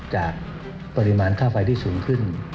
จากปริมาณค่าไฟที่สูงขึ้น